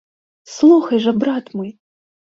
Слухай жа, брат мой!